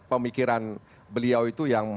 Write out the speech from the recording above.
pemikiran beliau itu yang